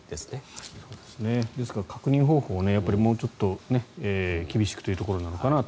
ですから、確認方法をもうちょっと厳しくというところなのかなと。